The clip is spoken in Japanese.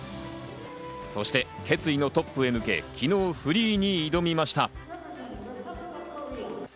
そして決意のトップへ向け、昨日フリーに挑みました。